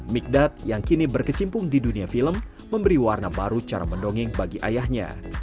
migdat yang kini berkecimpung di dunia film memberi warna baru cara mendongeng bagi ayahnya